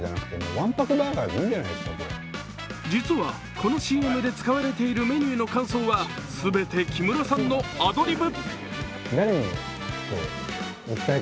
実はこのＣＭで使われているメニューの感想は全て木村さんのアドリブ。